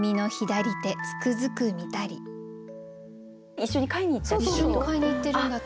一緒に買いに行ったってこと？